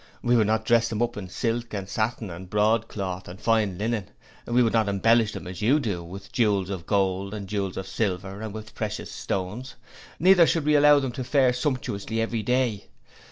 We would not dress them up in silk and satin and broadcloth and fine linen: we would not embellish them, as you do, with jewels of gold and jewels of silver and with precious stones; neither should we allow them to fare sumptuously every day.